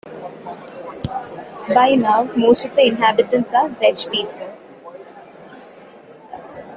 By now, most of the inhabitants are Czech people.